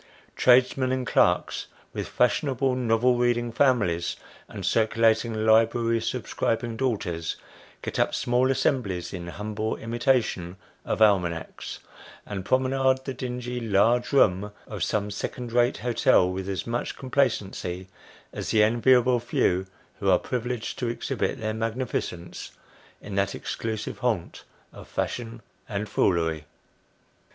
Tradesmen and clerks, with fashionable novel reading families, and circulating library subscribing daughters, get up small assemblies in humble imitation of Almack's, and promenade the dingy " large room " of some second rate hotel with as much complacency as the enviable few who are privileged to exhibit their magnificence in that exclusive haunt of fashion and foolery.